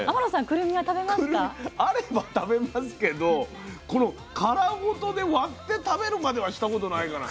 くるみあれば食べますけどこの殻ごとで割って食べるまではしたことないかな。